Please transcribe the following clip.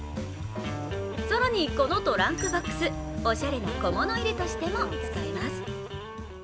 更にこのトランクボックス、おしゃれな小物入れとしても使えます。